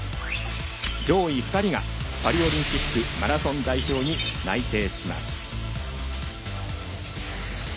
上位２人がパリオリンピックマラソン代表に内定します。